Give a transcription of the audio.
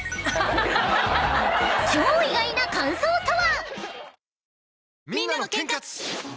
［超意外な感想とは⁉］